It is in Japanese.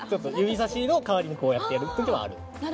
指さしの代わりにこうやってやる時もある。